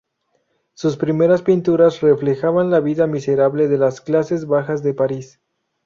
Sus primeras pinturas reflejaban la vida miserable de las clases bajas de París.